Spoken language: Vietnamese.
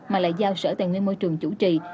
mà lại giao sở tài nguyên môi trường chủ trì